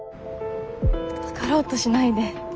分かろうとしないで。